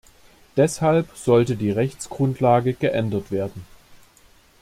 Deshalb sollte die Rechtsgrundlage geändert werden.